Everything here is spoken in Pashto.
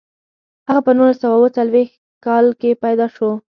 هغه په نولس سوه اووه څلویښت کال کې پیدا شو.